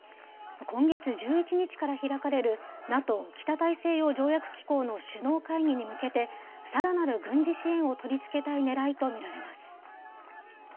今月１１日から開かれる、ＮＡＴＯ・北大西洋条約機構の首脳会議に向けて、さらなる軍事支援を取り付けたいねらいと見られます。